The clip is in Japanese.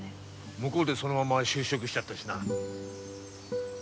向こうでそのまま就職しちゃったしな。